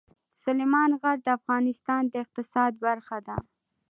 سلیمان غر د افغانستان د اقتصاد برخه ده.